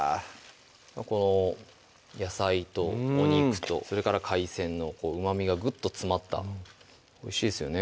この野菜とお肉とそれから海鮮のうまみがグッと詰まったおいしいですよね